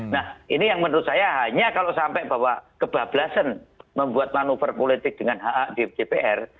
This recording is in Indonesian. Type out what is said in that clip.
nah ini yang menurut saya hanya kalau sampai bahwa kebablasan membuat manuver politik dengan hak hak di dpr